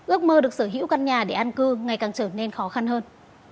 ước mơ được sở hữu căn nhà để ăn cư ngày càng trở nên khó khăn hơn